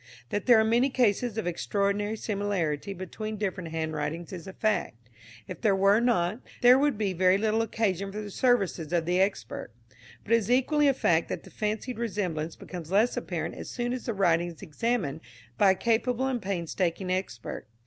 That there are many cases of extraordinary similarity between different handwritings is a fact; if there were not, there would be very little occasion for the services of the expert, but it is equally a fact that the fancied resemblance becomes less apparent as soon as the writing is examined by a capable and painstaking expert.